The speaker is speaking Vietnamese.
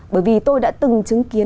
bởi vì tôi đã từng chứng kiến